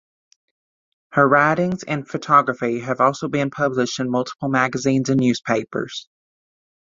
Her writings and photography have also been published in multiple magazines and newspapers.